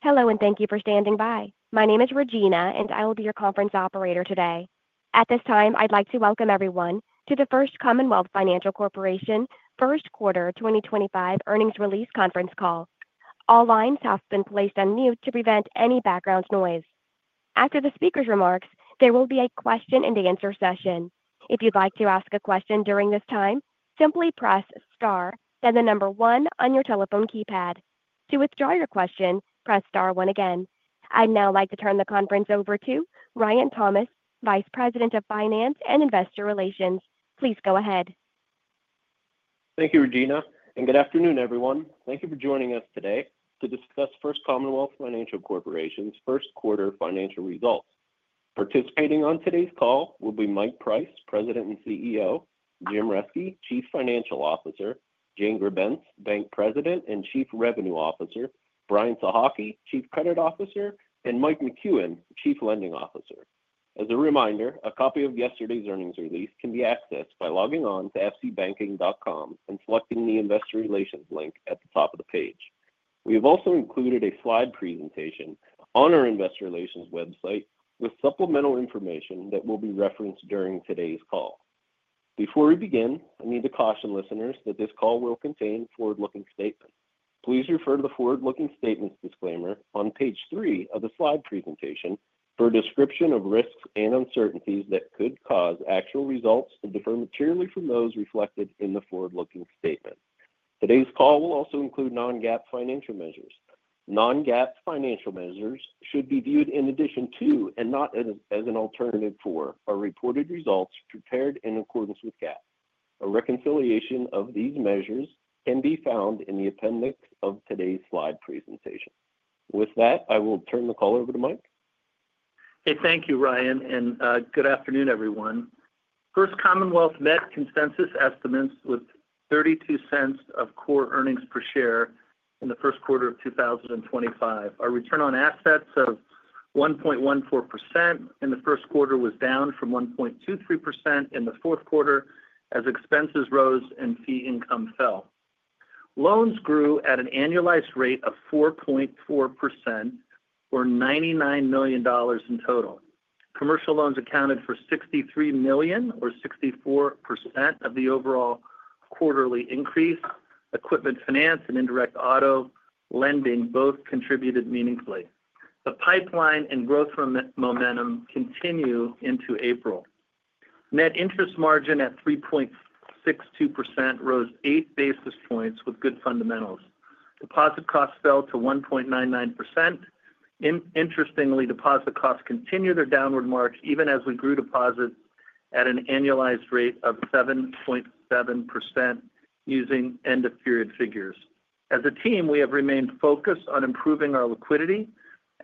Hello, and thank you for standing by. My name is Regina, and I will be your conference operator today. At this time, I'd like to welcome everyone to the First Commonwealth Financial Corporation First Quarter 2025 Earnings Release Conference Call. All lines have been placed on mute to prevent any background noise. After the speaker's remarks, there will be a question-and-answer session. If you'd like to ask a question during this time, simply press star, then the number one on your telephone keypad. To withdraw your question, press star one again. I'd now like to turn the conference over to Ryan Thomas, Vice President of Finance and Investor Relations. Please go ahead. Thank you, Regina, and good afternoon, everyone. Thank you for joining us today to discuss First Commonwealth Financial Corporation's first quarter financial results. Participating on today's call will be Mike Price, President and CEO; Jim Reske, Chief Financial Officer; Jane Grebenc, Bank President and Chief Revenue Officer; Brian Sohocki, Chief Credit Officer; and Mike McCuen, Chief Lending Officer. As a reminder, a copy of yesterday's earnings release can be accessed by logging on to fcbanking.com and selecting the Investor Relations link at the top of the page. We have also included a slide presentation on our Investor Relations website with supplemental information that will be referenced during today's call. Before we begin, I need to caution listeners that this call will contain forward-looking statements. Please refer to the forward-looking statements disclaimer on page three of the slide presentation for a description of risks and uncertainties that could cause actual results to differ materially from those reflected in the forward-looking statement. Today's call will also include non-GAAP financial measures. Non-GAAP financial measures should be viewed in addition to, and not as an alternative for, our reported results prepared in accordance with GAAP. A reconciliation of these measures can be found in the appendix of today's slide presentation. With that, I will turn the call over to Mike. Hey, thank you, Ryan, and good afternoon, everyone. First Commonwealth met consensus estimates with $0.32 of core earnings per share in the first quarter of 2025. Our return on assets of 1.14% in the first quarter was down from 1.23% in the fourth quarter as expenses rose and fee income fell. Loans grew at an annualized rate of 4.4%, or $99 million in total. Commercial loans accounted for $63 million, or 64% of the overall quarterly increase. Equipment finance and indirect auto lending both contributed meaningfully. The pipeline and growth momentum continue into April. Net interest margin at 3.62% rose eight basis points with good fundamentals. Deposit costs fell to 1.99%. Interestingly, deposit costs continue their downward march even as we grew deposits at an annualized rate of 7.7% using end-of-period figures. As a team, we have remained focused on improving our liquidity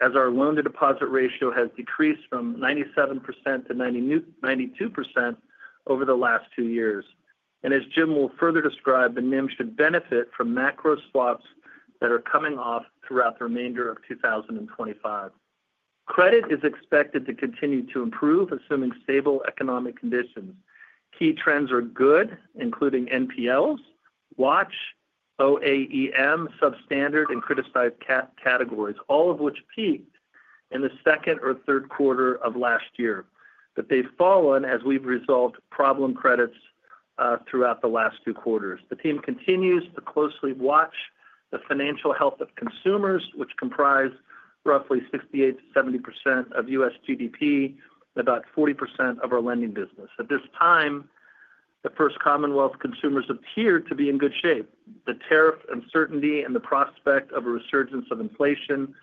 as our loan-to-deposit ratio has decreased from 97%-92% over the last two years. As Jim will further describe, the NIM should benefit from macro swaps that are coming off throughout the remainder of 2025. Credit is expected to continue to improve assuming stable economic conditions. Key trends are good, including NPLs, watch, OAEM, substandard, and criticized categories, all of which peaked in the second or third quarter of last year. They have fallen as we have resolved problem credits throughout the last two quarters. The team continues to closely watch the financial health of consumers, which comprise roughly 68%-70% of U.S. GDP and about 40% of our lending business. At this time, the First Commonwealth consumers appear to be in good shape. The tariff uncertainty and the prospect of a resurgence of inflation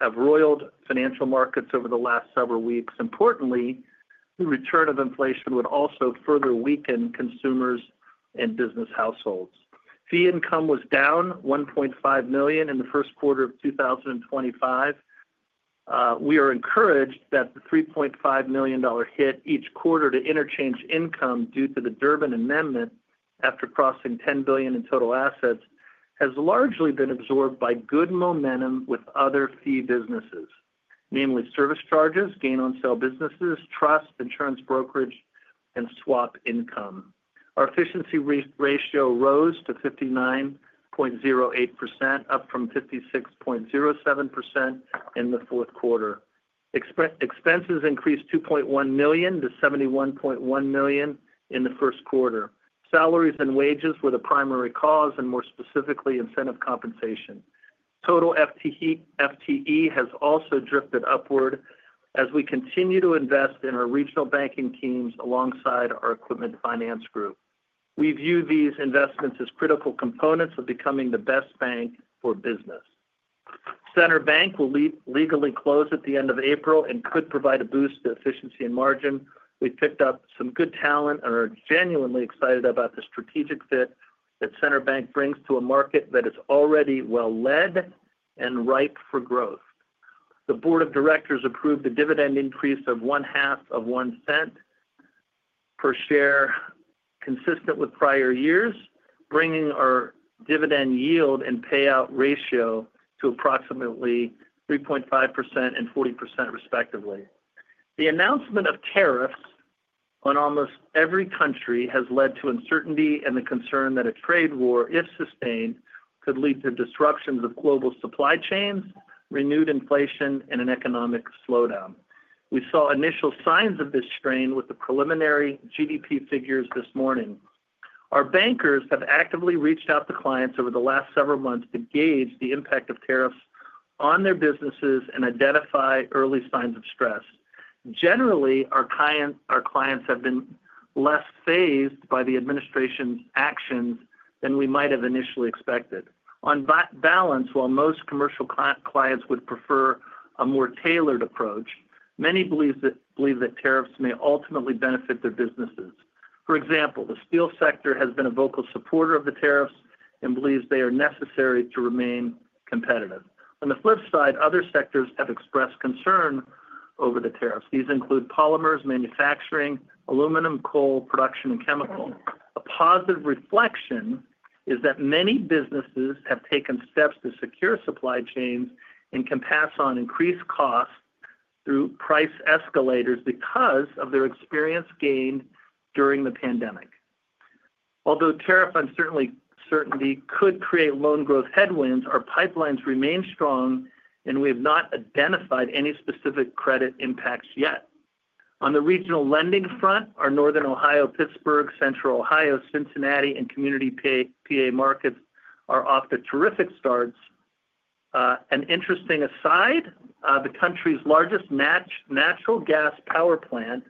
have roiled financial markets over the last several weeks. Importantly, the return of inflation would also further weaken consumers and business households. Fee income was down $1.5 million in the first quarter of 2025. We are encouraged that the $3.5 million hit each quarter to interchange income due to the Durbin Amendment after crossing $10 billion in total assets has largely been absorbed by good momentum with other fee businesses, namely service charges, gain-on-sale businesses, trust, insurance brokerage, and swap income. Our efficiency ratio rose to 59.08%, up from 56.07% in the fourth quarter. Expenses increased $2.1 million to $71.1 million in the first quarter. Salaries and wages were the primary cause, and more specifically incentive compensation. Total FTE has also drifted upward as we continue to invest in our regional banking teams alongside our equipment finance group. We view these investments as critical components of becoming the best bank for business. Center Bank will legally close at the end of April and could provide a boost to efficiency and margin. We've picked up some good talent and are genuinely excited about the strategic fit that Center Bank brings to a market that is already well-led and ripe for growth. The board of directors approved a dividend increase of $0.005 per share, consistent with prior years, bringing our dividend yield and payout ratio to approximately 3.5% and 40%, respectively. The announcement of tariffs on almost every country has led to uncertainty and the concern that a trade war, if sustained, could lead to disruptions of global supply chains, renewed inflation, and an economic slowdown. We saw initial signs of this strain with the preliminary GDP figures this morning. Our bankers have actively reached out to clients over the last several months to gauge the impact of tariffs on their businesses and identify early signs of stress. Generally, our clients have been less fazed by the administration's actions than we might have initially expected. On balance, while most commercial clients would prefer a more tailored approach, many believe that tariffs may ultimately benefit their businesses. For example, the steel sector has been a vocal supporter of the tariffs and believes they are necessary to remain competitive. On the flip side, other sectors have expressed concern over the tariffs. These include polymers, manufacturing, aluminum, coal production, and chemicals. A positive reflection is that many businesses have taken steps to secure supply chains and can pass on increased costs through price escalators because of their experience gained during the pandemic. Although tariff uncertainty could create loan growth headwinds, our pipelines remain strong, and we have not identified any specific credit impacts yet. On the regional lending front, our Northern Ohio, Pittsburgh, Central Ohio, Cincinnati, and community PA markets are off to terrific starts. An interesting aside, the country's largest natural gas power plant,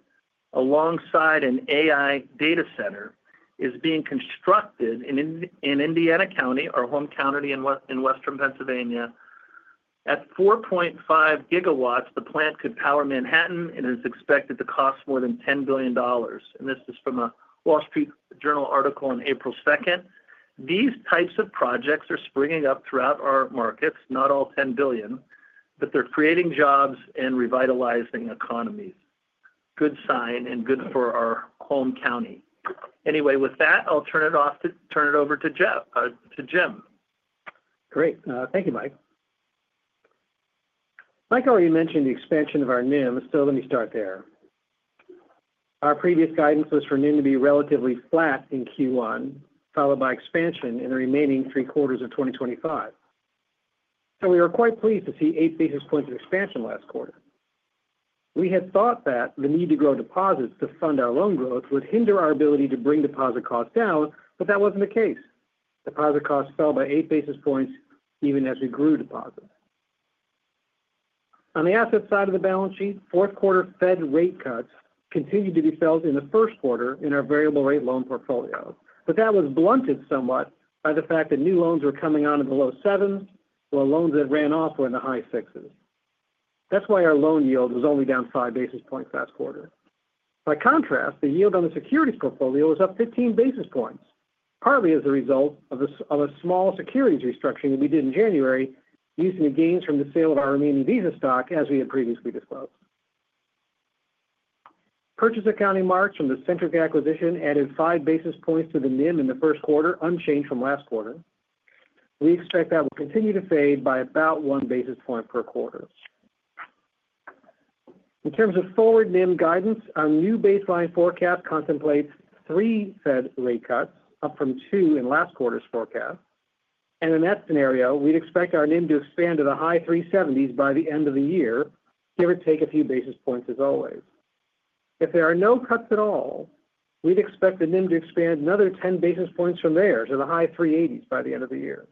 alongside an AI data center, is being constructed in Indiana County, our home county in western Pennsylvania. At 4.5 GW, the plant could power Manhattan and is expected to cost more than $10 billion. This is from a Wall Street Journal article on April 2. These types of projects are springing up throughout our markets, not all $10 billion, but they are creating jobs and revitalizing economies. Good sign and good for our home county. Anyway, with that, I'll turn it over to Jim. Great. Thank you, Mike. Mike, I already mentioned the expansion of our NIM. Let me start there. Our previous guidance was for NIM to be relatively flat in Q1, followed by expansion in the remaining three quarters of 2025. We were quite pleased to see eight basis points of expansion last quarter. We had thought that the need to grow deposits to fund our loan growth would hinder our ability to bring deposit costs down, but that was not the case. Deposit costs fell by eight basis points even as we grew deposits. On the asset side of the balance sheet, fourth quarter Fed rate cuts continued to be felt in the first quarter in our variable rate loan portfolio. That was blunted somewhat by the fact that new loans were coming on in the low sevens, while loans that ran off were in the high sixes. That's why our loan yield was only down five basis points last quarter. By contrast, the yield on the securities portfolio was up 15 basis points, partly as a result of a small securities restructuring that we did in January, using the gains from the sale of our remaining Visa stock, as we had previously disclosed. Purchase accounting marks from the Center Bank acquisition added five basis points to the NIM in the first quarter, unchanged from last quarter. We expect that will continue to fade by about one basis point per quarter. In terms of forward NIM guidance, our new baseline forecast contemplates three Fed rate cuts, up from two in last quarter's forecast. In that scenario, we'd expect our NIM to expand to the high 370s by the end of the year, give or take a few basis points as always. If there are no cuts at all, we'd expect the NIM to expand another 10 basis points from there to the high 380s by the end of the year.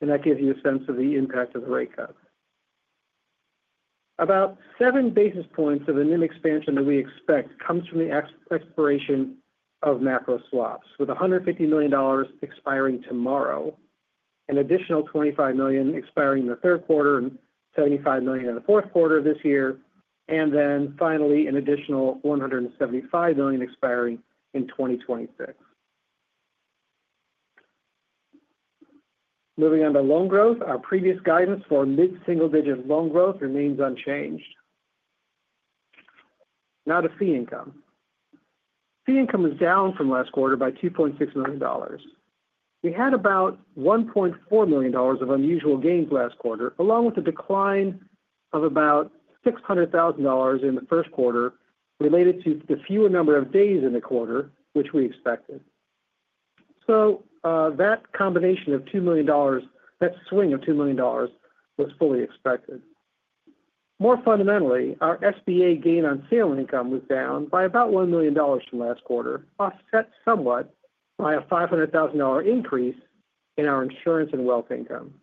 That gives you a sense of the impact of the rate cuts. About seven basis points of the NIM expansion that we expect comes from the expiration of macro swaps, with $150 million expiring tomorrow, an additional $25 million expiring in the third quarter, and $75 million in the fourth quarter of this year, and then finally an additional $175 million expiring in 2026. Moving on to loan growth, our previous guidance for mid-single digit loan growth remains unchanged. Now to fee income. Fee income was down from last quarter by $2.6 million. We had about $1.4 million of unusual gains last quarter, along with a decline of about $600,000 in the first quarter related to the fewer number of days in the quarter, which we expected. That combination of $2 million, that swing of $2 million, was fully expected. More fundamentally, our SBA gain on sale income was down by about $1 million from last quarter, offset somewhat by a $500,000 increase in our insurance and wealth income.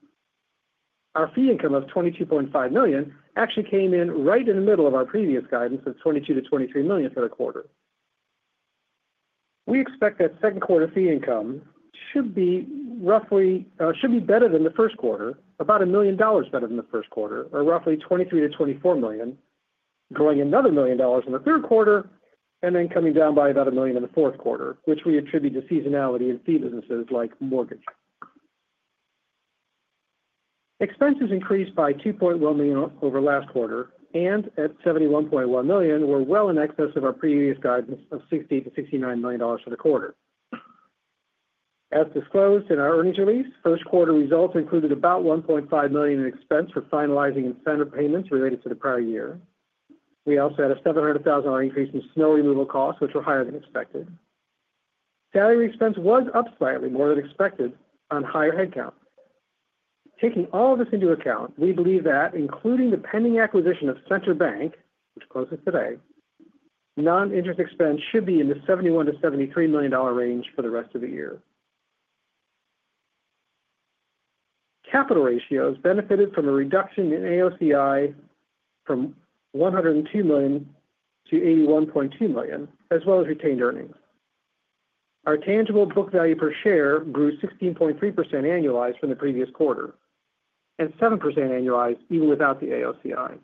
Our fee income of $22.5 million actually came in right in the middle of our previous guidance of $22 million-$23 million for the quarter. We expect that second quarter fee income should be roughly should be better than the first quarter, about $1 million better than the first quarter, or roughly $23 million-$24 million, growing another $1 million in the third quarter, and then coming down by about $1 million in the fourth quarter, which we attribute to seasonality in fee businesses like mortgage. Expenses increased by $2.1 million over last quarter, and at $71.1 million, were well in excess of our previous guidance of $68 million-$69 million for the quarter. As disclosed in our earnings release, first quarter results included about $1.5 million in expense for finalizing incentive payments related to the prior year. We also had a $700,000 increase in snow removal costs, which were higher than expected. Salary expense was up slightly, more than expected, on higher headcount. Taking all of this into account, we believe that, including the pending acquisition of Center Bank, which closes today, non-interest expense should be in the $71 million-$73 million range for the rest of the year. Capital ratios benefited from a reduction in AOCI from $102 million to $81.2 million, as well as retained earnings. Our tangible book value per share grew 16.3% annualized from the previous quarter and 7% annualized even without the AOCI.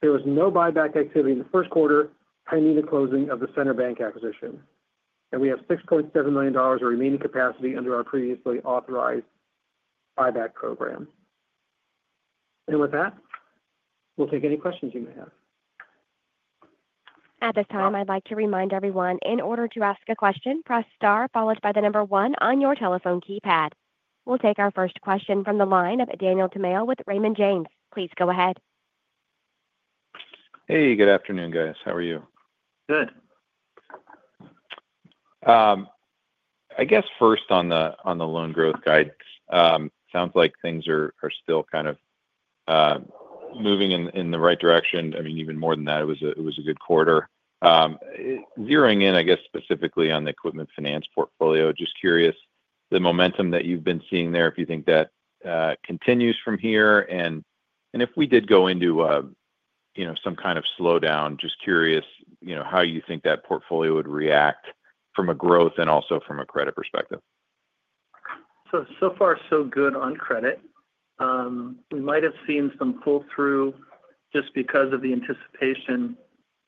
There was no buyback activity in the first quarter pending the closing of the Center Bank acquisition. We have $6.7 million of remaining capacity under our previously authorized buyback program. With that, we'll take any questions you may have. At this time, I'd like to remind everyone, in order to ask a question, press star followed by the number one on your telephone keypad. We'll take our first question from the line of Daniel Tomeo with Raymond James. Please go ahead. Hey, good afternoon, guys. How are you? Good. I guess first on the loan growth guide, it sounds like things are still kind of moving in the right direction. I mean, even more than that, it was a good quarter. Zeroing in, I guess, specifically on the equipment finance portfolio, just curious the momentum that you've been seeing there, if you think that continues from here. If we did go into some kind of slowdown, just curious how you think that portfolio would react from a growth and also from a credit perspective. So far, so good on credit. We might have seen some pull-through just because of the anticipation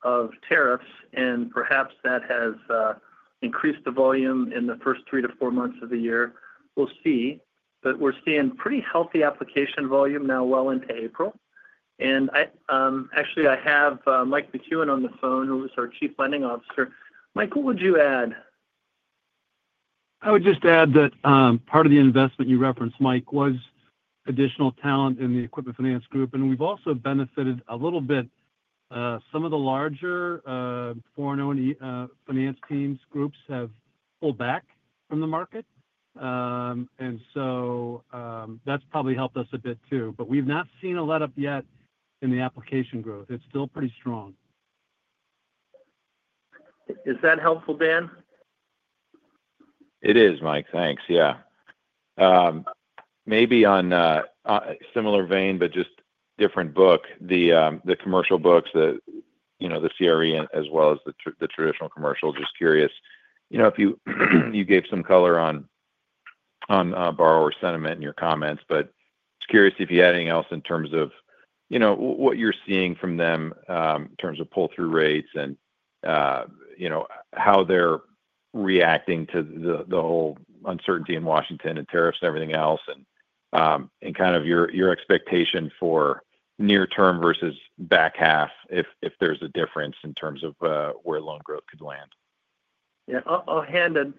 of tariffs, and perhaps that has increased the volume in the first three to four months of the year. We'll see. We are seeing pretty healthy application volume now well into April. Actually, I have Mike McCuen on the phone, who is our Chief Lending Officer. Mike, what would you add? I would just add that part of the investment you referenced, Mike, was additional talent in the equipment finance group. We have also benefited a little bit. Some of the larger foreign-owned finance teams' groups have pulled back from the market. That has probably helped us a bit too. We have not seen a let-up yet in the application growth. It is still pretty strong. Is that helpful, Dan? It is, Mike. Thanks. Yeah. Maybe on a similar vein, but just different book, the commercial books, the CRE, as well as the traditional commercial. Just curious if you gave some color on borrower sentiment in your comments. Just curious if you had anything else in terms of what you're seeing from them in terms of pull-through rates and how they're reacting to the whole uncertainty in Washington and tariffs and everything else, and kind of your expectation for near-term versus back half, if there's a difference in terms of where loan growth could land. Yeah. I'll hand it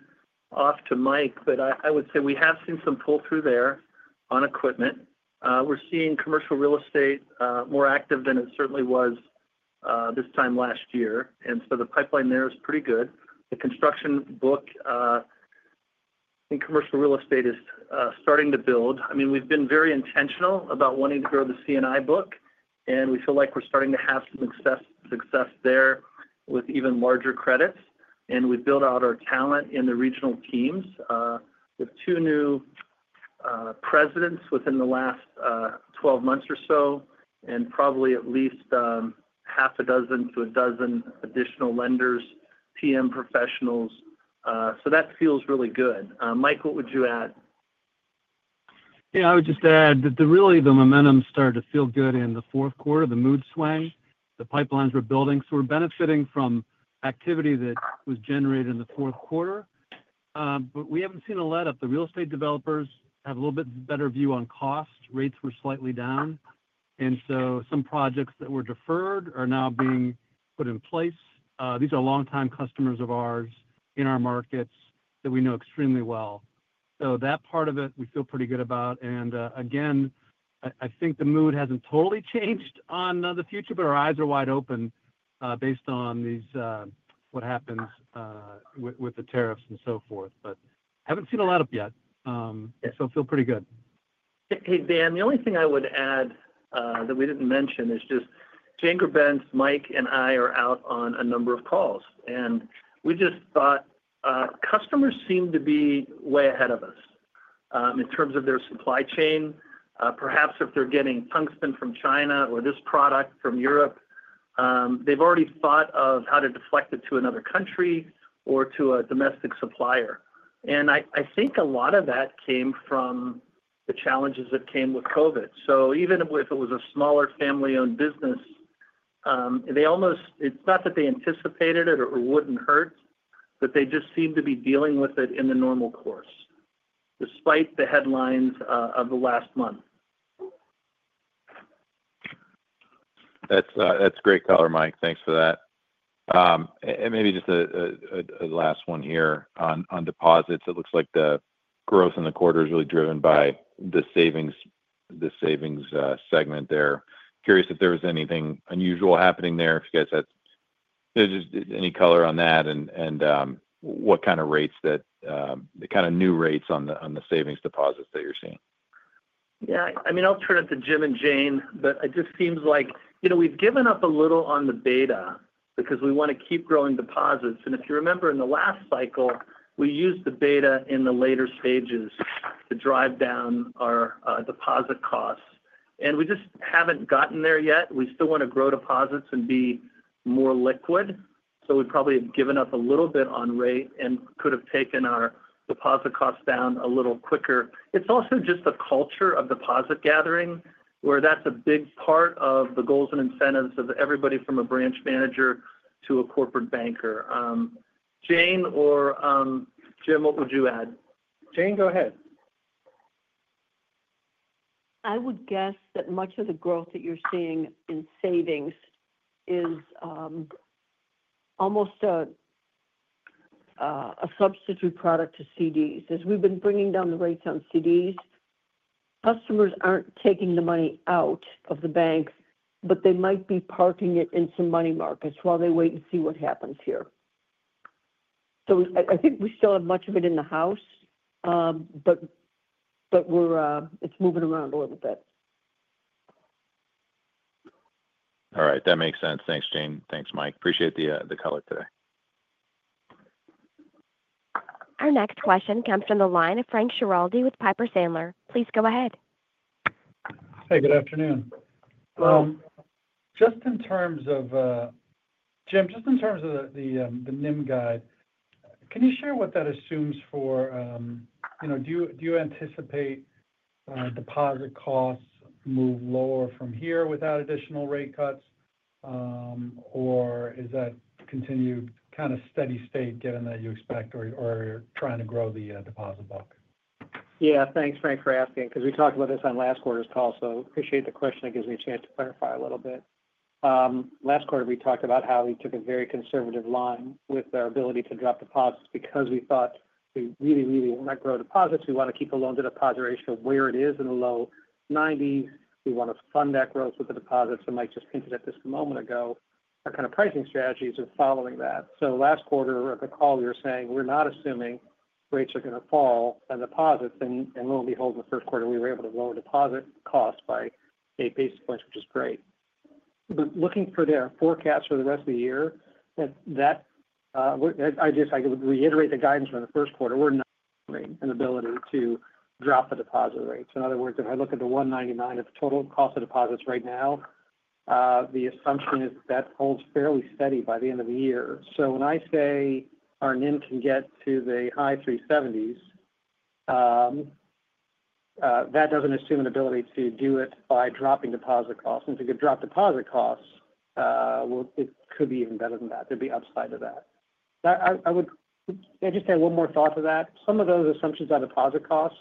off to Mike. I would say we have seen some pull-through there on equipment. We're seeing commercial real estate more active than it certainly was this time last year. The pipeline there is pretty good. The construction book in commercial real estate is starting to build. I mean, we've been very intentional about wanting to grow the C&I book. We feel like we're starting to have some success there with even larger credits. We've built out our talent in the regional teams with two new presidents within the last 12 months or so, and probably at least half a dozen to a dozen additional lenders, PM professionals. That feels really good. Mike, what would you add? Yeah. I would just add that really the momentum started to feel good in the fourth quarter, the mood swang. The pipelines were building. We are benefiting from activity that was generated in the fourth quarter. We have not seen a let-up. The real estate developers have a little bit better view on cost. Rates were slightly down. Some projects that were deferred are now being put in place. These are longtime customers of ours in our markets that we know extremely well. That part of it, we feel pretty good about. I think the mood has not totally changed on the future, but our eyes are wide open based on what happens with the tariffs and so forth. We have not seen a let-up yet. Feel pretty good. Hey, Dan, the only thing I would add that we did not mention is just Jane Grebenc, Mike, and I are out on a number of calls. We just thought customers seem to be way ahead of us in terms of their supply chain. Perhaps if they are getting tungsten from China or this product from Europe, they have already thought of how to deflect it to another country or to a domestic supplier. I think a lot of that came from the challenges that came with COVID. Even if it was a smaller family-owned business, it is not that they anticipated it or it would not hurt, but they just seem to be dealing with it in the normal course, despite the headlines of the last month. That's great color, Mike. Thanks for that. Maybe just a last one here on deposits. It looks like the growth in the quarter is really driven by the savings segment there. Curious if there was anything unusual happening there, if you guys had just any color on that and what kind of rates, the kind of new rates on the savings deposits that you're seeing. Yeah. I mean, I'll turn it to Jim and Jane. It just seems like we've given up a little on the beta because we want to keep growing deposits. If you remember, in the last cycle, we used the beta in the later stages to drive down our deposit costs. We just haven't gotten there yet. We still want to grow deposits and be more liquid. We probably have given up a little bit on rate and could have taken our deposit costs down a little quicker. It's also just a culture of deposit gathering where that's a big part of the goals and incentives of everybody from a branch manager to a corporate banker. Jane or Jim, what would you add? Jane? Go ahead. I would guess that much of the growth that you're seeing in savings is almost a substitute product to CDs. As we've been bringing down the rates on CDs, customers aren't taking the money out of the bank, but they might be parking it in some money markets while they wait and see what happens here. I think we still have much of it in the house, but it's moving around a little bit. All right. That makes sense. Thanks, Jane. Thanks, Mike. Appreciate the color today. Our next question comes from the line of Frank Schiraldi with Piper Sandler. Please go ahead. Hey, good afternoon. Just in terms of Jim, just in terms of the NIM guide, can you share what that assumes for do you anticipate deposit costs move lower from here without additional rate cuts, or is that continued kind of steady state given that you expect or trying to grow the deposit book? Yeah. Thanks, Frank, for asking. Because we talked about this on last quarter's call, appreciate the question. It gives me a chance to clarify a little bit. Last quarter, we talked about how we took a very conservative line with our ability to drop deposits because we thought we really, really want to grow deposits. We want to keep a loan-to-deposit ratio where it is in the low 90s. We want to fund that growth with the deposits. Mike just hinted at this a moment ago, our kind of pricing strategies are following that. Last quarter of the call, we were saying we're not assuming rates are going to fall on deposits. Lo and behold, in the first quarter, we were able to lower deposit costs by eight basis points, which is great. Looking for their forecast for the rest of the year, I just reiterate the guidance from the first quarter. We're not assuming an ability to drop the deposit rates. In other words, if I look at the $199 of total cost of deposits right now, the assumption is that that holds fairly steady by the end of the year. When I say our NIM can get to the high 370s, that doesn't assume an ability to do it by dropping deposit costs. If we could drop deposit costs, it could be even better than that. There'd be upside to that. I would just add one more thought to that. Some of those assumptions on deposit costs,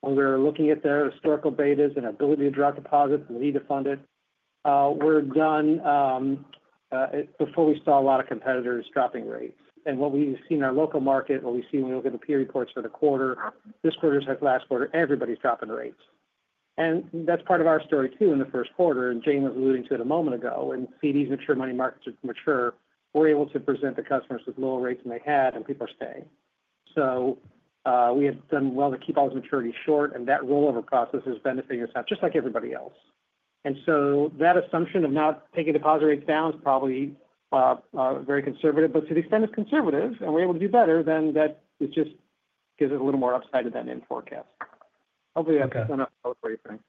when we're looking at their historical betas and ability to drop deposits and need to fund it, were done before we saw a lot of competitors dropping rates. What we have seen in our local market, what we see when we look at the peer reports for the quarter, this quarter is like last quarter, everybody is dropping rates. That is part of our story too in the first quarter. Jane was alluding to it a moment ago. When CDs mature, money markets are mature, we are able to present the customers with lower rates than they had, and people are staying. We have done well to keep all those maturities short. That rollover process is benefiting us now, just like everybody else. That assumption of not taking deposit rates down is probably very conservative. To the extent it is conservative and we are able to do better, that just gives us a little more upside to that NIM forecast. Hopefully, that is enough to help with what you are saying.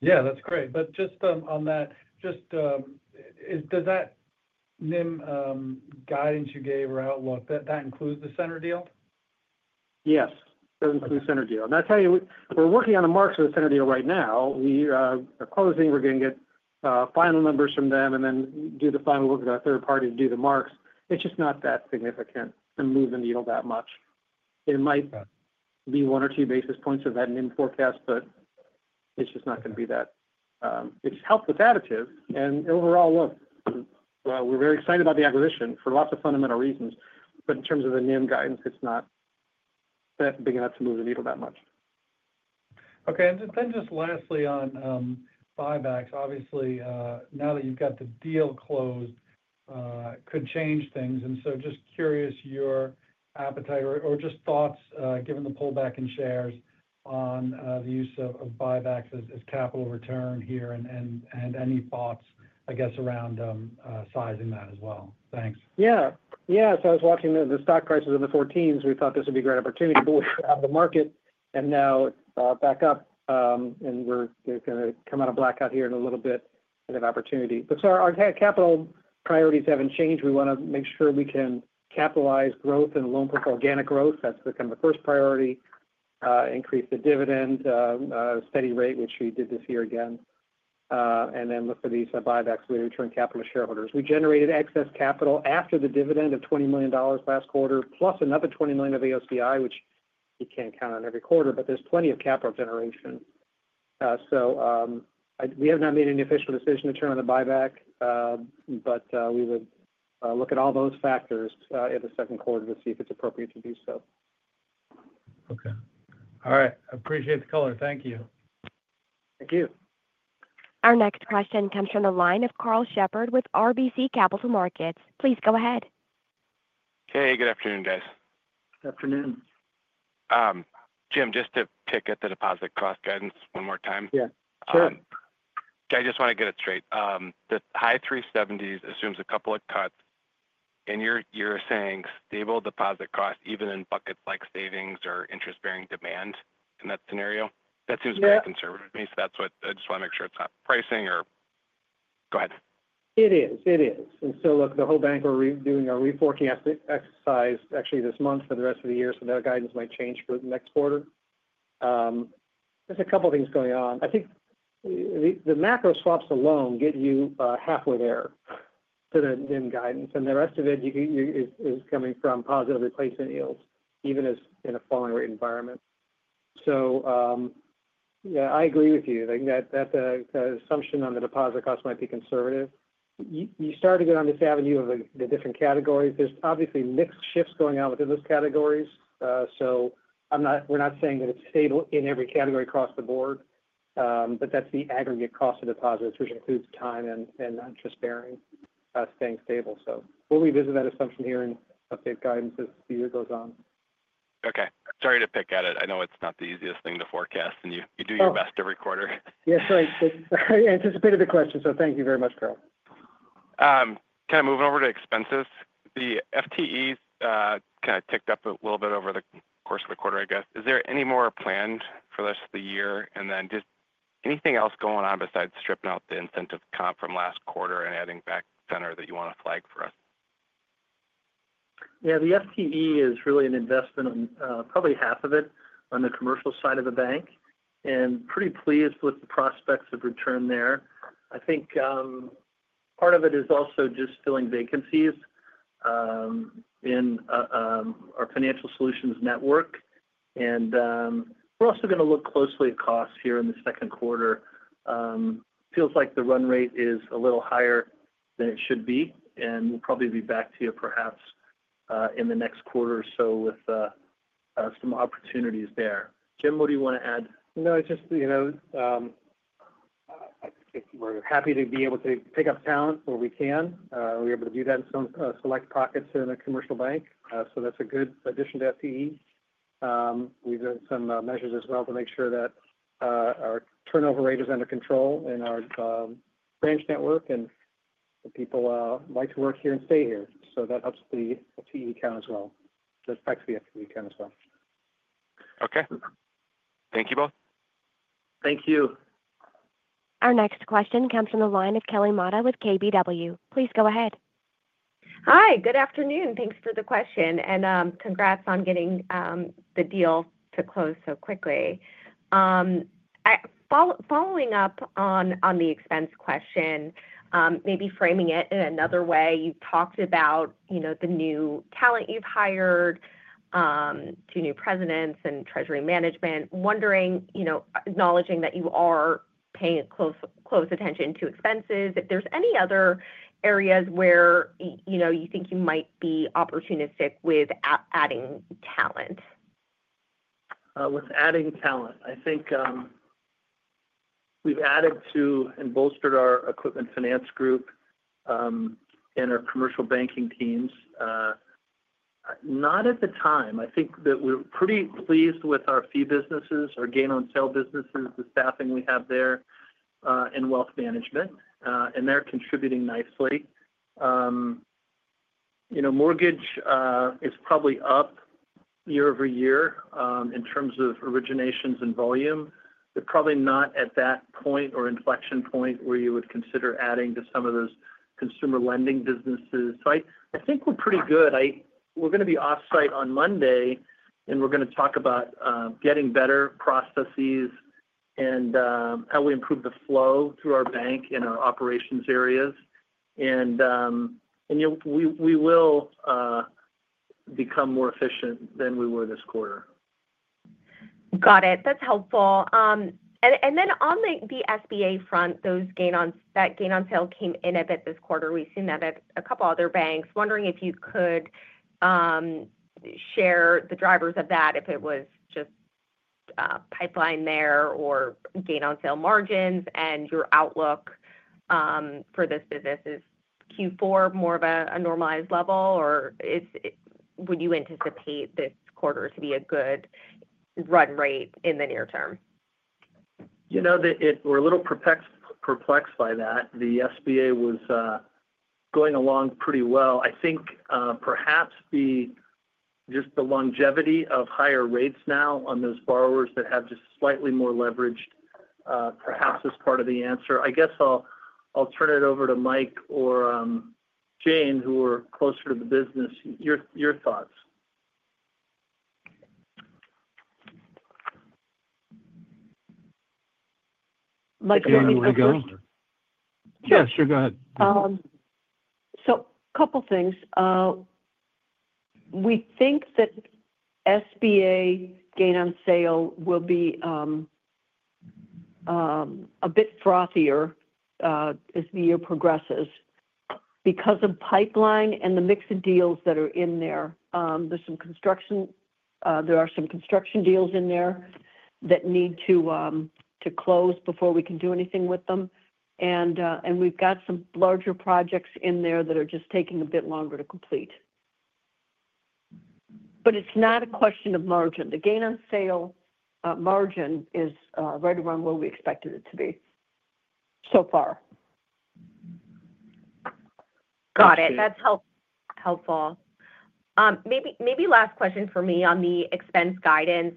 Yeah. That's great. Just on that, does that NIM guidance you gave or outlook, that includes the Center deal? Yes. That includes the Center deal. I'll tell you, we're working on the marks of the Center deal right now. We are closing. We're going to get final numbers from them and then do the final work with our third party to do the marks. It's just not that significant to move the needle that much. It might be one or two basis points of that NIM forecast, but it's just not going to be that. It's helped with additives. Overall, look, we're very excited about the acquisition for lots of fundamental reasons. In terms of the NIM guidance, it's not that big enough to move the needle that much. Okay. Lastly, on buybacks, obviously, now that you've got the deal closed, it could change things. Just curious your appetite or thoughts, given the pullback in shares, on the use of buybacks as capital return here and any thoughts around sizing that as well. Thanks. Yeah. Yeah. I was watching the stock prices in the $14s. We thought this would be a great opportunity. We were out of the market. Now back up. We're going to come out of blackout here in a little bit, kind of opportunity. Our capital priorities haven't changed. We want to make sure we can capitalize growth and loan-performing organic growth. That's kind of the first priority. Increase the dividend, steady rate, which we did this year again. Then look for these buybacks where we return capital to shareholders. We generated excess capital after the dividend of $20 million last quarter, plus another $20 million of AOCI, which you can't count on every quarter. There's plenty of capital generation. We have not made any official decision to turn on the buyback. We would look at all those factors in the second quarter to see if it's appropriate to do so. Okay. All right. Appreciate the color. Thank you. Thank you. Our next question comes from the line of Karl Shepard with RBC Capital Markets. Please go ahead. Hey. Good afternoon, guys. Good afternoon. Jim, just to pick at the deposit cost guidance one more time. Yeah. Sure. I just want to get it straight. The high 370s assumes a couple of cuts. You're saying stable deposit costs, even in buckets like savings or interest-bearing demand in that scenario. That seems very conservative to me. That's what I just want to make sure, it's not pricing or go ahead. It is. It is. Look, the whole bank are doing a reforecast exercise, actually, this month for the rest of the year. That guidance might change for the next quarter. There are a couple of things going on. I think the macro swaps alone get you halfway there to the NIM guidance. The rest of it is coming from positive replacement yields, even in a falling rate environment. Yeah, I agree with you. That assumption on the deposit costs might be conservative. You start to get on this avenue of the different categories. There are obviously mixed shifts going on within those categories. We are not saying that it is stable in every category across the board. That is the aggregate cost of deposits, which includes time and interest-bearing staying stable. We will revisit that assumption here and update guidance as the year goes on. Okay. Sorry to pick at it. I know it's not the easiest thing to forecast. And you do your best every quarter. Yeah. Sorry. I anticipated the question. Thank you very much, Karl. Kind of moving over to expenses. The FTEs kind of ticked up a little bit over the course of the quarter, I guess. Is there any more planned for the rest of the year? Is there anything else going on besides stripping out the incentive comp from last quarter and adding back Center that you want to flag for us? Yeah. The FTE is really an investment on probably half of it on the commercial side of the bank. Pretty pleased with the prospects of return there. I think part of it is also just filling vacancies in our financial solutions network. We are also going to look closely at costs here in the second quarter. Feels like the run rate is a little higher than it should be. We will probably be back to you perhaps in the next quarter or so with some opportunities there. Jim, what do you want to add? No. Just we're happy to be able to pick up talent where we can. We're able to do that in some select pockets in a commercial bank. That's a good addition to FTE. We've done some measures as well to make sure that our turnover rate is under control in our branch network. People like to work here and stay here. That helps the FTE count as well. That affects the FTE count as well. Okay. Thank you both. Thank you. Our next question comes from the line of Kelly Matta with KBW. Please go ahead. Hi. Good afternoon. Thanks for the question. Congrats on getting the deal to close so quickly. Following up on the expense question, maybe framing it in another way, you've talked about the new talent you've hired, two new presidents, and treasury management. Acknowledging that you are paying close attention to expenses. If there's any other areas where you think you might be opportunistic with adding talent. With adding talent, I think we've added to and bolstered our equipment finance group and our commercial banking teams. Not at the time. I think that we're pretty pleased with our fee businesses, our gain-on-sale businesses, the staffing we have there, and wealth management. And they're contributing nicely. Mortgage is probably up year over year in terms of originations and volume. They're probably not at that point or inflection point where you would consider adding to some of those consumer lending businesses. I think we're pretty good. We're going to be off-site on Monday. We're going to talk about getting better processes and how we improve the flow through our bank and our operations areas. We will become more efficient than we were this quarter. Got it. That's helpful. On the SBA front, that gain-on-sale came in a bit this quarter. We've seen that at a couple of other banks. Wondering if you could share the drivers of that, if it was just pipeline there or gain-on-sale margins. Your outlook for this business is Q4 more of a normalized level? Would you anticipate this quarter to be a good run rate in the near term? We're a little perplexed by that. The SBA was going along pretty well. I think perhaps just the longevity of higher rates now on those borrowers that have just slightly more leverage perhaps is part of the answer. I guess I'll turn it over to Mike or Jane, who are closer to the business. Your thoughts? Mike, do you want to go? Yeah. Sure. Go ahead. A couple of things. We think that SBA gain-on-sale will be a bit frothier as the year progresses because of pipeline and the mix of deals that are in there. There are some construction deals in there that need to close before we can do anything with them. We have some larger projects in there that are just taking a bit longer to complete. It is not a question of margin. The gain-on-sale margin is right around where we expected it to be so far. Got it. That's helpful. Maybe last question for me on the expense guidance.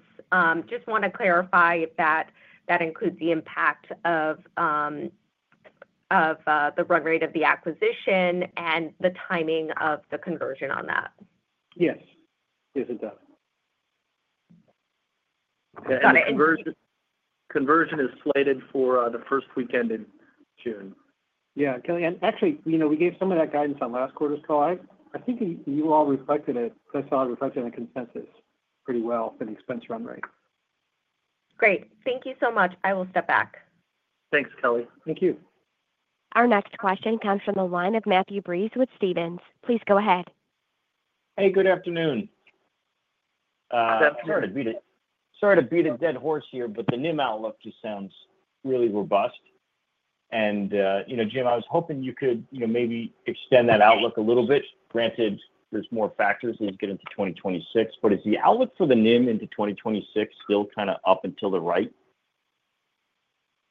Just want to clarify that that includes the impact of the run rate of the acquisition and the timing of the conversion on that. Yes. Yes, it does. Got it. Conversion is slated for the first weekend in June. Yeah. Kelly, actually, we gave some of that guidance on last quarter's call. I think you all reflected it. I saw it reflected in the consensus pretty well for the expense run rate. Great. Thank you so much. I will step back. Thanks, Kelly. Thank you. Our next question comes from the line of Matthew Breese with Stephens. Please go ahead. Hey. Good afternoon. Sorry to beat a dead horse here. The NIM outlook just sounds really robust. Jim, I was hoping you could maybe extend that outlook a little bit. Granted, there are more factors as we get into 2026. Is the outlook for the NIM into 2026 still kind of up and to the right?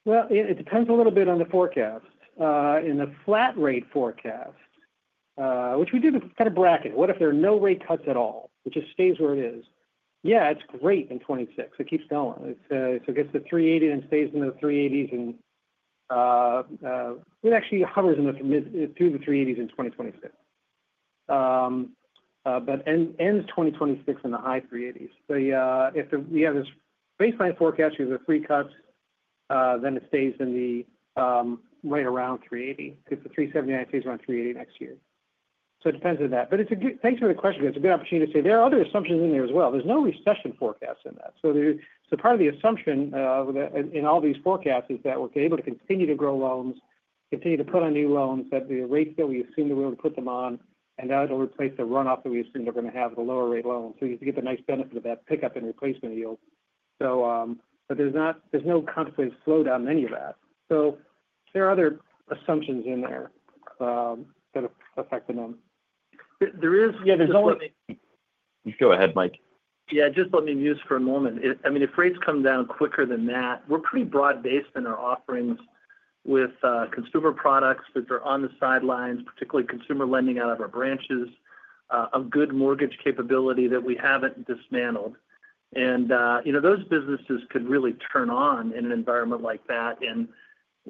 It depends a little bit on the forecast. In the flat rate forecast, which we did kind of bracket, what if there are no rate cuts at all, which is it stays where it is? Yeah, it is great in 2026. It keeps going. It gets to 380 and stays in the 380s. It actually hovers through the 380s in 2026, but ends 2026 in the high 380s. If we have this baseline forecast, you have the three cuts, then it stays right around 380. If it's a 379, it stays around 380 next year. It depends on that. Thanks for the question. It's a good opportunity to say there are other assumptions in there as well. There's no recession forecast in that. Part of the assumption in all these forecasts is that we're able to continue to grow loans, continue to put on new loans, at the rates that we assume that we're able to put them on, and that'll replace the runoff that we assume they're going to have with the lower rate loans. You get the nice benefit of that pickup and replacement yield. There's no compensated slowdown in any of that. There are other assumptions in there that are affecting them. There is. Just go ahead, Mike. Yeah. Just let me muse for a moment. I mean, if rates come down quicker than that, we're pretty broad-based in our offerings with consumer products that are on the sidelines, particularly consumer lending out of our branches, a good mortgage capability that we haven't dismantled. Those businesses could really turn on in an environment like that.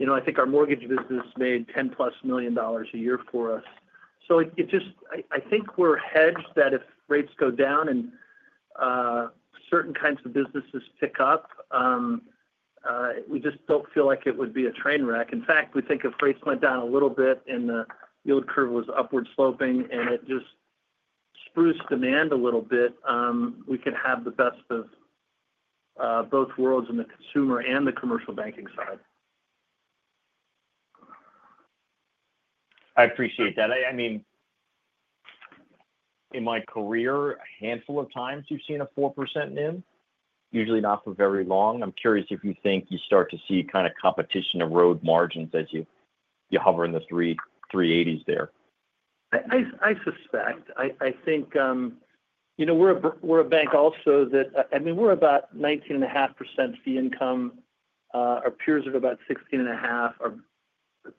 I think our mortgage business made $10 million-plus a year for us. I think we're hedged that if rates go down and certain kinds of businesses pick up, we just don't feel like it would be a train wreck. In fact, we think if rates went down a little bit and the yield curve was upward sloping and it just spruced demand a little bit, we could have the best of both worlds on the consumer and the commercial banking side. I appreciate that. I mean, in my career, a handful of times you've seen a 4% NIM, usually not for very long. I'm curious if you think you start to see kind of competition erode margins as you hover in the 380s there. I suspect. I think we're a bank also that, I mean, we're about 19.5% fee income. Our peers are about 16.5%. Our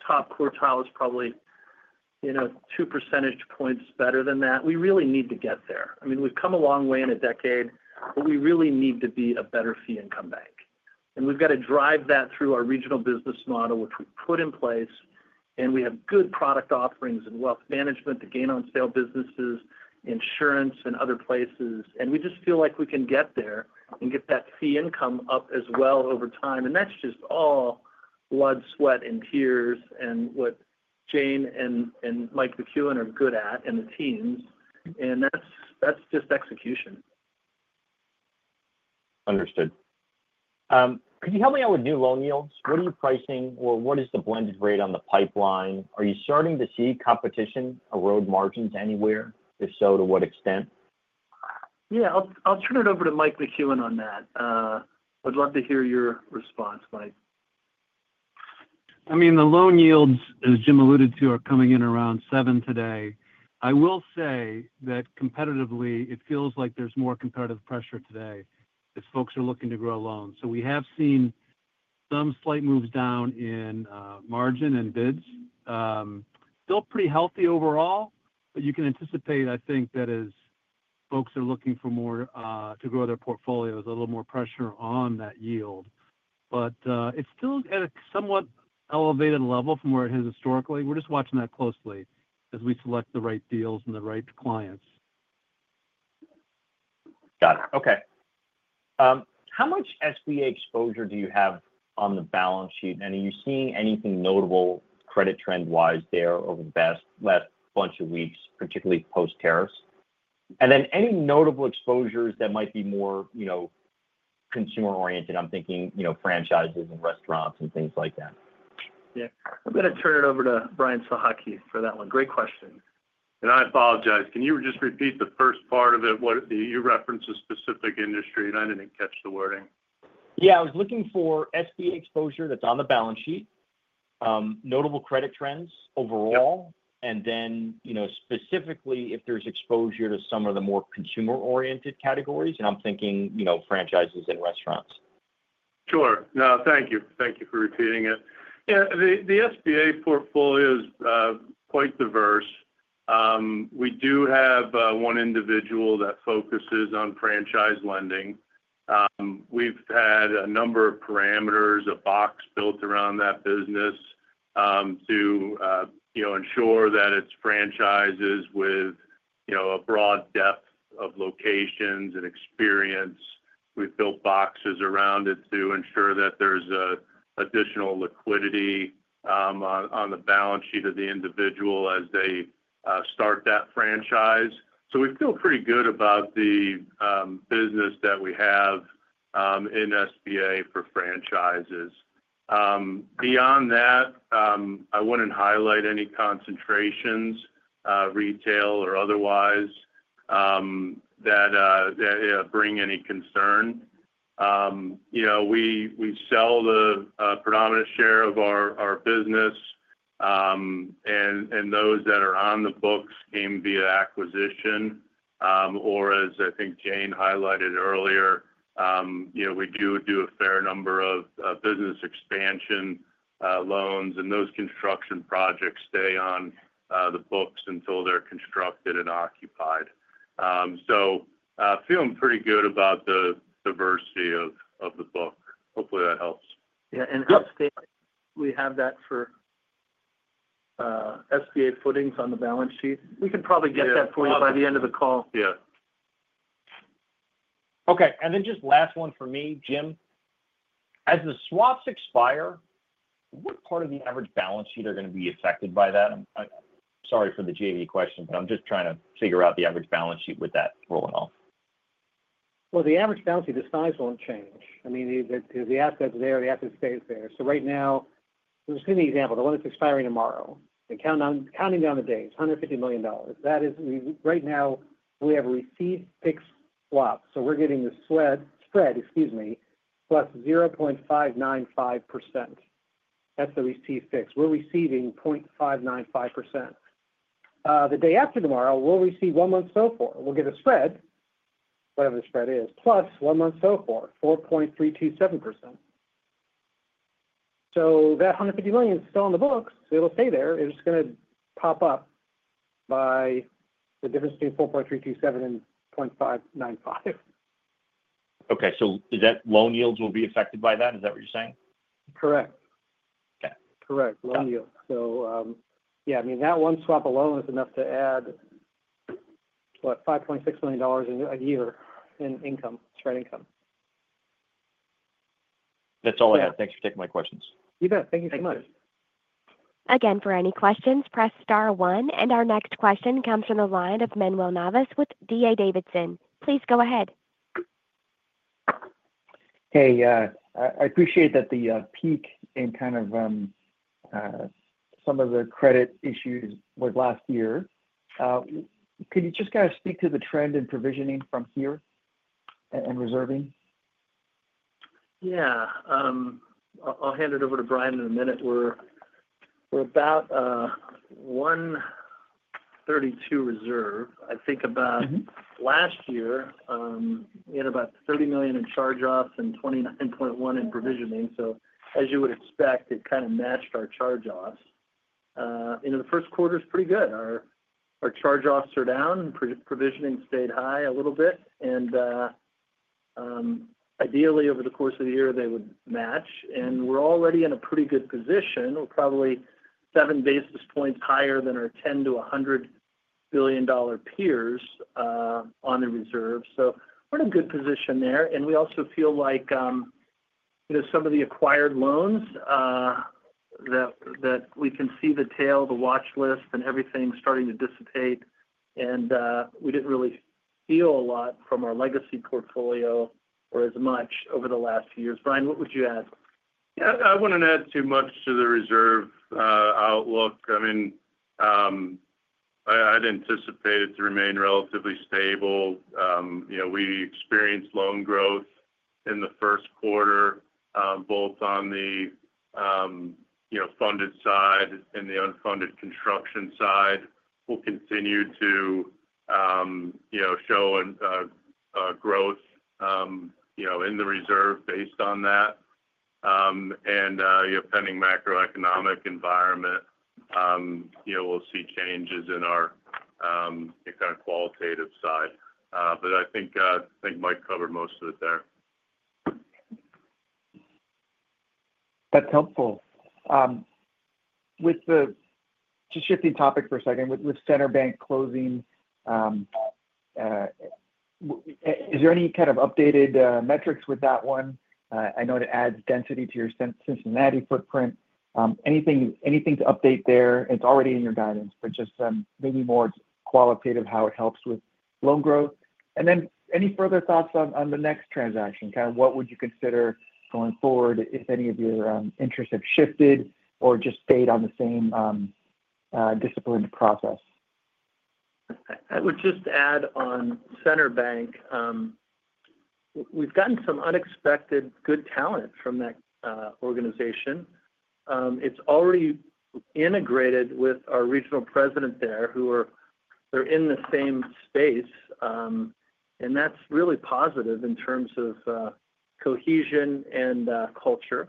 top quartile is probably 2 percentage points better than that. We really need to get there. I mean, we've come a long way in a decade. We really need to be a better fee income bank. We've got to drive that through our regional business model, which we've put in place. We have good product offerings in wealth management, the gain-on-sale businesses, insurance, and other places. We just feel like we can get there and get that fee income up as well over time. That's just all blood, sweat, and tears and what Jane and Mike McCuen are good at and the teams. That's just execution. Understood. Could you help me out with new loan yields? What are you pricing? Or what is the blended rate on the pipeline? Are you starting to see competition erode margins anywhere? If so, to what extent? Yeah. I'll turn it over to Mike McCuen on that. I'd love to hear your response, Mike. I mean, the loan yields, as Jim alluded to, are coming in around 7 today. I will say that competitively, it feels like there's more competitive pressure today as folks are looking to grow loans. We have seen some slight moves down in margin and bids. Still pretty healthy overall. You can anticipate, I think, that as folks are looking to grow their portfolios, a little more pressure on that yield. It is still at a somewhat elevated level from where it has historically. We're just watching that closely as we select the right deals and the right clients. Got it. Okay. How much SBA exposure do you have on the balance sheet? Are you seeing anything notable credit trend-wise there over the last bunch of weeks, particularly post-terrace? Any notable exposures that might be more consumer-oriented? I'm thinking franchises and restaurants and things like that. Yeah. I'm going to turn it over to Brian Sohocki for that one. Great question. I apologize. Can you just repeat the first part of it? You referenced a specific industry. I did not catch the wording. Yeah. I was looking for SBA exposure that's on the balance sheet, notable credit trends overall, and then specifically if there's exposure to some of the more consumer-oriented categories. I'm thinking franchises and restaurants. Sure. No. Thank you. Thank you for repeating it. Yeah. The SBA portfolio is quite diverse. We do have one individual that focuses on franchise lending. We've had a number of parameters, a box built around that business to ensure that it's franchises with a broad depth of locations and experience. We've built boxes around it to ensure that there's additional liquidity on the balance sheet of the individual as they start that franchise. We feel pretty good about the business that we have in SBA for franchises. Beyond that, I wouldn't highlight any concentrations, retail or otherwise, that bring any concern. We sell the predominant share of our business. Those that are on the books came via acquisition. Or as I think Jane highlighted earlier, we do do a fair number of business expansion loans. Those construction projects stay on the books until they're constructed and occupied. I feel I'm pretty good about the diversity of the book. Hopefully, that helps. Yeah. We have that for SBA footings on the balance sheet. We can probably get that for you by the end of the call. Yeah. Okay. Just last one for me, Jim. As the swaps expire, what part of the average balance sheet are going to be affected by that? Sorry for the JV question. I am just trying to figure out the average balance sheet with that rolling off. The average balance sheet, the size won't change. I mean, the assets are there. The assets stay there. Right now, we're seeing the example. The one that's expiring tomorrow and counting down the days, $150 million. Right now, we have a receipt fixed swap. We're getting the spread, excuse me, plus 0.595%. That's the receipt fixed. We're receiving 0.595%. The day after tomorrow, we'll receive one month SOFAR. We'll get a spread, whatever the spread is, plus one month so far, 4.327%. That $150 million is still on the books. It'll stay there. It's just going to pop up by the difference between 4.327% and 0.595%. Okay. So loan yields will be affected by that? Is that what you're saying? Correct. Okay. Correct. Loan yields. Yeah. I mean, that one swap alone is enough to add, what, $5.6 million a year in income, straight income. That's all I have. Thanks for taking my questions. You bet. Thank you so much. Again, for any questions, press star one. Our next question comes from the line of Manuel Navas with DA Davidson. Please go ahead. Hey. I appreciate that the peak in kind of some of the credit issues was last year. Could you just kind of speak to the trend in provisioning from here and reserving? Yeah. I'll hand it over to Brian in a minute. We're about 1.32% reserve. I think about last year, we had about $30 million in charge-offs and $29.1 million in provisioning. As you would expect, it kind of matched our charge-offs. The first quarter is pretty good. Our charge-offs are down. Provisioning stayed high a little bit. Ideally, over the course of the year, they would match. We're already in a pretty good position. We're probably 7 basis points higher than our $10 billion-$100 billion peers on the reserve. We're in a good position there. We also feel like some of the acquired loans that we can see, the tail, the watch list, and everything starting to dissipate. We did not really feel a lot from our legacy portfolio or as much over the last few years. Brian, what would you add? Yeah. I wouldn't add too much to the reserve outlook. I mean, I'd anticipate it to remain relatively stable. We experienced loan growth in the first quarter, both on the funded side and the unfunded construction side. We'll continue to show growth in the reserve based on that. Pending macroeconomic environment, we'll see changes in our kind of qualitative side. I think Mike covered most of it there. That's helpful. Just shifting topic for a second. With Center Bank closing, is there any kind of updated metrics with that one? I know it adds density to your Cincinnati footprint. Anything to update there? It's already in your guidance. Just maybe more qualitative how it helps with loan growth. Any further thoughts on the next transaction? Kind of what would you consider going forward if any of your interests have shifted or just stayed on the same disciplined process? I would just add on Center Bank. We've gotten some unexpected good talent from that organization. It's already integrated with our Regional President there, who are in the same space. That is really positive in terms of cohesion and culture.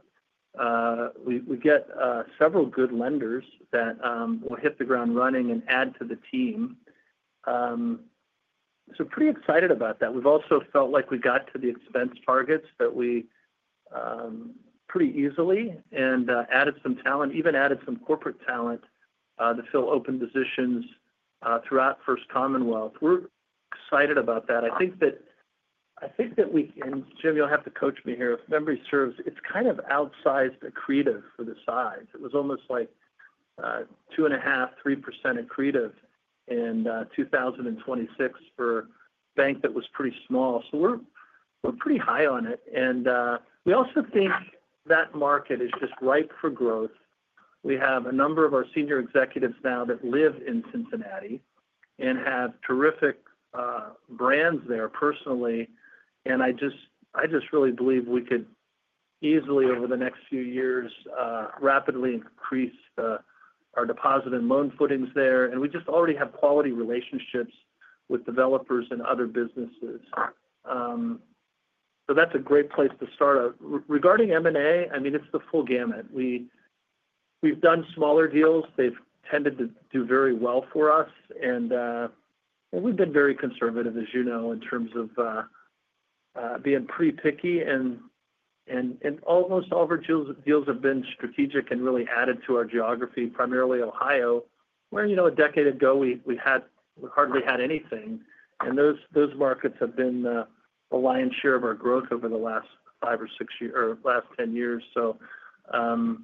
We get several good lenders that will hit the ground running and add to the team. Pretty excited about that. We've also felt like we got to the expense targets pretty easily and added some talent, even added some corporate talent to fill open positions throughout First Commonwealth Group. We're excited about that. I think that we can—Jim, you'll have to coach me here. If memory serves, it's kind of outsized accretive for the size. It was almost like 2.5%-3% accretive in 2026 for a bank that was pretty small. We're pretty high on it. We also think that market is just ripe for growth. We have a number of our senior executives now that live in Cincinnati and have terrific brands there personally. I just really believe we could easily, over the next few years, rapidly increase our deposit and loan footings there. We just already have quality relationships with developers and other businesses. That is a great place to start. Regarding M&A, I mean, it is the full gamut. We have done smaller deals. They have tended to do very well for us. We have been very conservative, as you know, in terms of being pretty picky. Almost all of our deals have been strategic and really added to our geography, primarily Ohio, where a decade ago, we hardly had anything. Those markets have been the lion's share of our growth over the last 5 or 6 or last 10 years. I do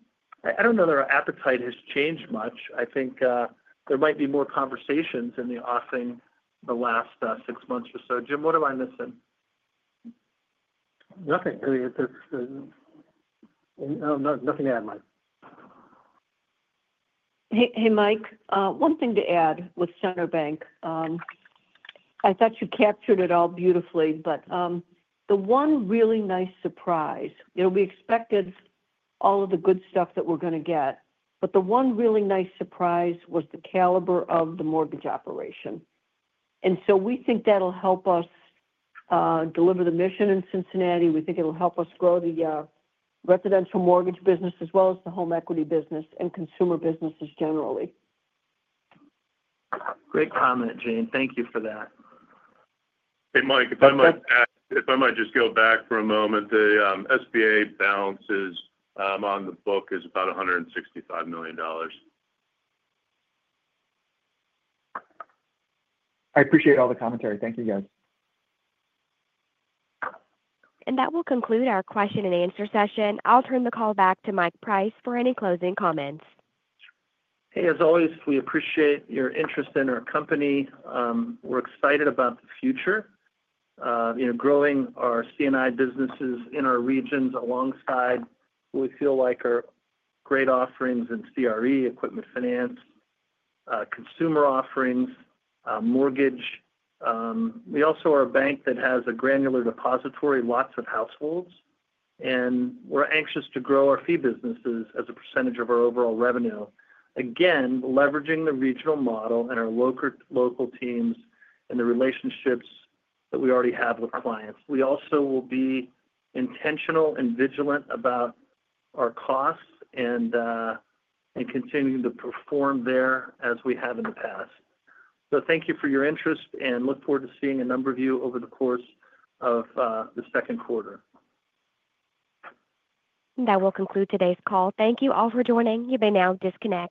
not know that our appetite has changed much. I think there might be more conversations in the offing the last six months or so. Jim, what am I missing? Nothing. I mean, nothing to add, Mike. Hey, Mike. One thing to add with Center Bank. I thought you captured it all beautifully. The one really nice surprise—we expected all of the good stuff that we're going to get. The one really nice surprise was the caliber of the mortgage operation. We think that'll help us deliver the mission in Cincinnati. We think it'll help us grow the residential mortgage business as well as the home equity business and consumer businesses generally. Great comment, Jane. Thank you for that. Hey, Mike. If I might just go back for a moment, the SBA balances on the book is about $165 million. I appreciate all the commentary. Thank you, guys. That will conclude our question and answer session. I'll turn the call back to Mike Price for any closing comments. Hey, as always, we appreciate your interest in our company. We're excited about the future, growing our C&I businesses in our regions alongside what we feel like are great offerings in CRE, equipment finance, consumer offerings, mortgage. We also are a bank that has a granular depository, lots of households. We're anxious to grow our fee businesses as a percentage of our overall revenue, again, leveraging the regional model and our local teams and the relationships that we already have with clients. We also will be intentional and vigilant about our costs and continue to perform there as we have in the past. Thank you for your interest. We look forward to seeing a number of you over the course of the second quarter. That will conclude today's call. Thank you all for joining. You may now disconnect.